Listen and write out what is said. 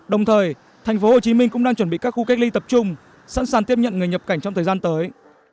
đồng thời tp hcm cũng đang chuẩn bị các khu cách ly tập trung sẵn sàng tiếp nhận người nhập cảnh trong thời gian tới